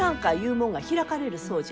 もんが開かれるそうじゃ。